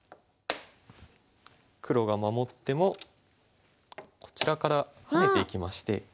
黒が守ってもこちらから逃げていきまして。